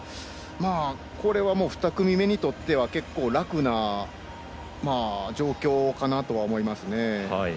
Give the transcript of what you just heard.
これは２組目にとっては結構楽な状況かなとは思いますね。